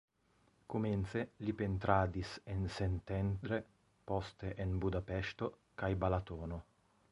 Komence li pentradis en Szentendre, poste en Budapeŝto kaj Balatono.